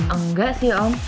enggak sih om